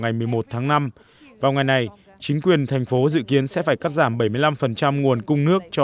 ngày một mươi một tháng năm vào ngày này chính quyền thành phố dự kiến sẽ phải cắt giảm bảy mươi năm nguồn cung nước cho